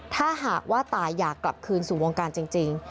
ถ้าหากว่าตายอยากกลับคืนสู่วงการจริง